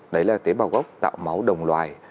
đấy là tế bào gốc tạo máu đồng loài